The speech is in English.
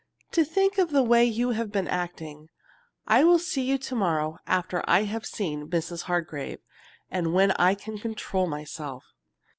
To think of the way you have been acting I will see you to morrow after I have seen Mrs. Hargrave, and when I can control myself."